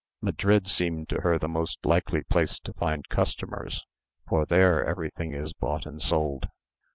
Madrid seemed to her the most likely place to find customers; for there everything is bought and sold.